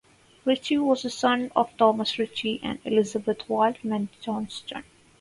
Ritchie was the son of Thomas Ritchie and Elizabeth Wildman Johnston.